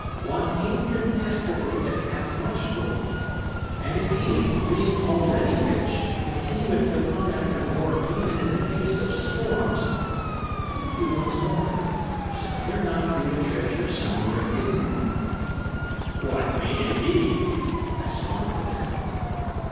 One incontestably that hath much gold. And if he, being already rich, continueth to hunt after more even in the face of storms bethink you once more shall there not be a treasure somewhere hidden?" "What meaneth he?" asked one of the men.